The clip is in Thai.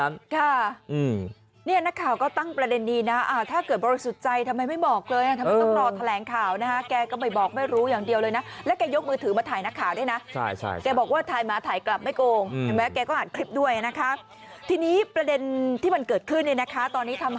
ค่ะเนี่ยนักข่าวก็ตั้งประเด็นนี้นะถ้าเกิดบริสุทธิ์ใจทำไมไม่บอกเลยทำไมต้องรอแถลงข่าวนะคะแกก็ไม่บอกไม่รู้อย่างเดียวเลยนะแล้วแกยกมือถือมาถ่ายนักข่าวด้วยนะแกบอกว่าถ่ายมาถ่ายกลับไม่โกงเห็นไหมแกก็อ่านคลิปด้วยนะคะทีนี้ประเด็นที่มันเกิดขึ้นเนี่ยนะคะตอนนี้ทำ